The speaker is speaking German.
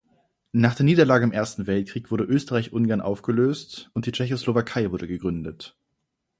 Nach der Niederlage im Ersten Weltkrieg wurde Österreich-Ungarn aufgelöst, und die Tschechoslowakei wurde gegründet.